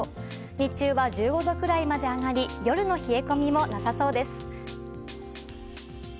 日中は１５度くらいまで上がり夜の冷え込みもなさそうです。